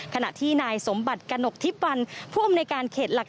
ขณะที่นายสมบัติกระหนกทิพวันผู้อำนวยการเขตหลัก๓